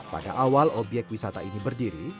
pada awal obyek wisata ini berdiri